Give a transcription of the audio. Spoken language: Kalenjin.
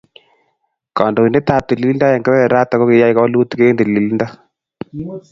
Kandoinatetab tililindo eng kebeberatak kokiyai walutiik eng tililindo.